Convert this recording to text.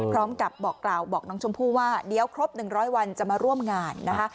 บอกกล่าวบอกน้องชมพู่ว่าเดี๋ยวครบ๑๐๐วันจะมาร่วมงานนะคะ